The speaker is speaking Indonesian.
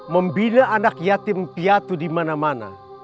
mobilir anak yatim piatu dimana mana